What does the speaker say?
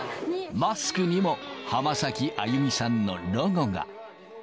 マスクにも浜崎あゆみさんのロゴが。